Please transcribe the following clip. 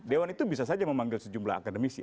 dewan itu bisa saja memanggil sejumlah akademisi